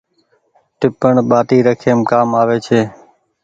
ٽيپڻ ٻآٽي رکيم ڪآم آوي ڇي ۔